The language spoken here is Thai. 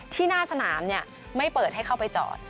ที่หน้าสนามไม่ออกให้ลงให้นั่น